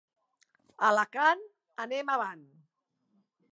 Alacant, anem avant.